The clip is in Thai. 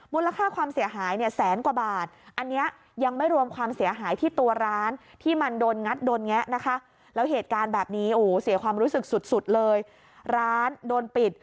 แบบนี้โหเสียความรู้สึกสุดเลยร้านโดนปิด